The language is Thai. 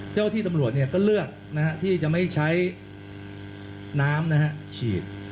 เจ้าที่ตำรวจก็เลือกที่จะไม่ใช้น้ำฉีด